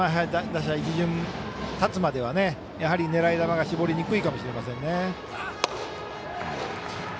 打者一巡たつまではやはり狙い球が絞りにくいかもしれませんね。